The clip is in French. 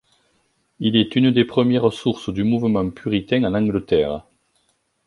Il est une des premières sources du mouvement puritain en Angleterre.